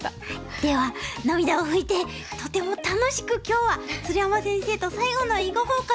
では涙を拭いてとても楽しく今日は鶴山先生と最後の「囲碁フォーカス」